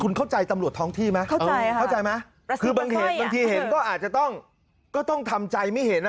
คุณเข้าใจตำรวจท้องที่ไหมเข้าใจไหมคือบางเหตุบางทีเห็นก็อาจจะต้องก็ต้องทำใจไม่เห็นอ่ะ